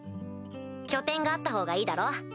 拠点があったほうがいいだろ？